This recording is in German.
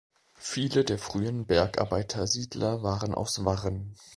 Viele der früher Bergarbeitersiedler waren aus Warren.